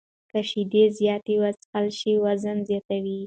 که شیدې زیاتې وڅښل شي، وزن زیاتوي.